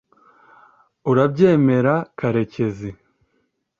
urabyemera, karekezi